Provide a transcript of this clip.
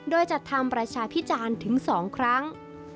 โดยจัดทำประชาพิจารณ์ถึง๒ครั้ง